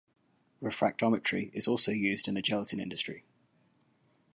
Refractometry is also used in the gelatin industry.